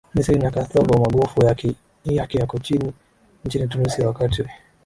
Misri na Karthago magofu yake yako nchini Tunisia wakati